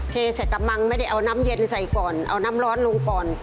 เทใส่กระมังไม่ได้เอาน้ำเย็นใส่ก่อนเอาน้ำร้อนลงก่อน